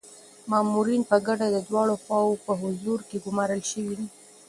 مامورین په ګډه د دواړو خواوو په حضور کي ګمارل شوي دي.